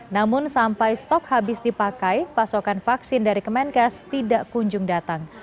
namun sampai stok habis dipakai pasokan vaksin dari kemenkes tidak kunjung datang